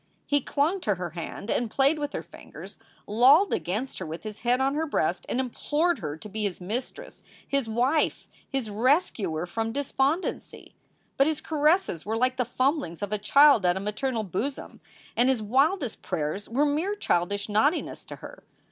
He clung to her hand and played with her fingers, lolled against her with his head on her breast and implored her to be his mistress, his wife, his rescuer from despondency. But his caresses were like the fumblings of a child at a mater nal bosom, and his wildest prayers were mere childish naughtiness to her.